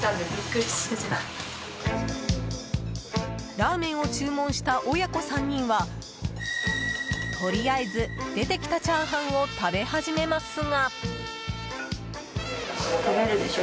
ラーメンを注文した親子３人はとりあえず出てきたチャーハンを食べ始めますが。